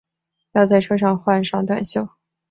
要在车上换上短袖